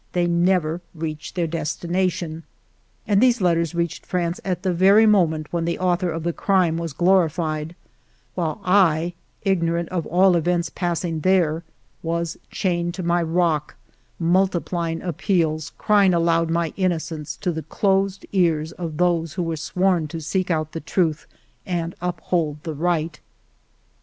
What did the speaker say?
They never reached their destination. And these letters reached France at the very moment when the author of the crime was glori fied, while I, ignorant of all events passing there, was chained to my rock, multiplying appeals, cry ing aloud my innocence to the closed ears of those who were sworn to seek out the truth and uphold the right.